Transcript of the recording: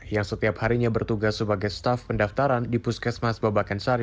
yang setiap harinya bertugas sebagai staff pendaftaran di puskesmas babakensari